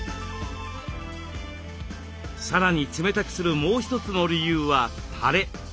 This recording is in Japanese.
さらに冷たくするもう一つの理由はたれ。